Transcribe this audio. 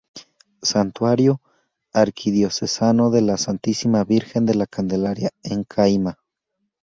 Santuario Arquidiocesano de la Santísima Virgen de la Candelaria en Cayma.